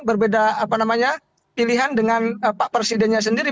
berbeda pilihan dengan pak presidennya sendiri